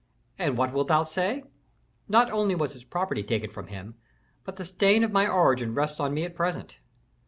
And what wilt thou say? Not only was his property taken from him, but the stain of my origin rests on me at present.